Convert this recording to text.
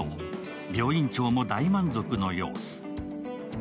病院長も大満足の様子。